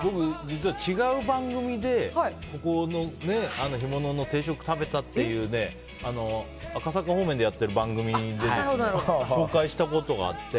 違う番組でここの干物の定食を食べたという赤坂方面でやっている番組で紹介したことがあって。